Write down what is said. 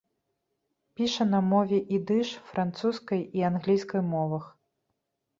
Піша на мове ідыш, французскай і англійскай мовах.